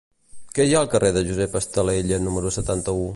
Què hi ha al carrer de Josep Estalella número setanta-u?